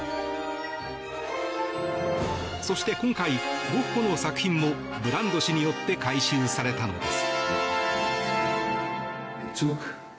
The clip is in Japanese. そして今回、ゴッホの作品もブランド氏によって回収されたのです。